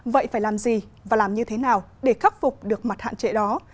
vậy phải làm gì và làm như thế nào để khắc phục được mặt hạn chế đó